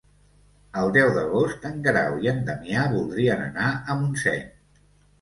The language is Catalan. El deu d'agost en Guerau i en Damià voldrien anar a Montseny.